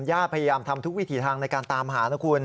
พยายามทำทุกวิถีทางในการตามหานะคุณ